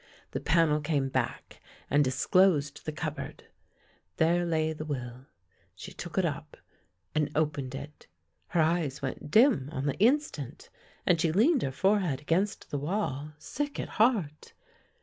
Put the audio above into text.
The panel came back and disclosed the cupboard. There lay the will. She took it up and opened it. Her eyes went dim on the instant, and she leaned her forehead against the wall, sick at heart.